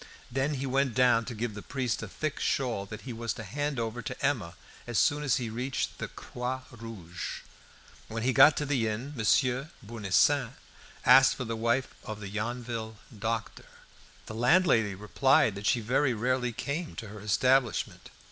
Then he went down to give the priest a thick shawl that he was to hand over to Emma as soon as he reached the "Croix Rouge." When he got to the inn, Monsieur Bournisien asked for the wife of the Yonville doctor. The landlady replied that she very rarely came to her establishment.